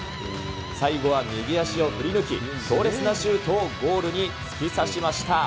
最後は右足を振り抜き、強烈なシュートをゴールに突き刺しました。